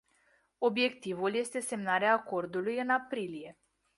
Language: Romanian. Obiectivul este semnarea acordului în aprilie.